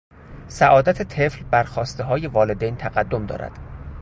سعادت طفل بر خواستههای والدین تقدم دارد.